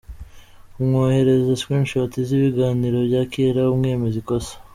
Kumwoherereza 'screenshoots' z’ibiganiro bya kera umwemeza ikosa.